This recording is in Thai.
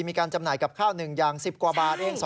มีการจำหน่ายกับข้าวหนึ่งอย่าง๑๐กว่าบาทเอง